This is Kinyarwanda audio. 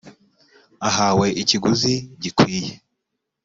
ahawe ikiguzi gikwiye.